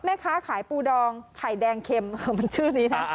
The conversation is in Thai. แม่ค้าขายปูดองไข่แดงเข็มมันชื่อนี้นะ